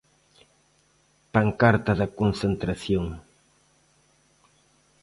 Pancarta da concentración.